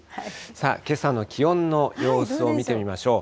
さあ、けさの気温の様子を見てみましょう。